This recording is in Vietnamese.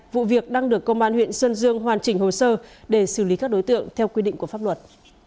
vụ việc đang được công an huyện sơn dương hoàn chỉnh hồ sơ để xử lý các đối tượng theo quy định của pháp luật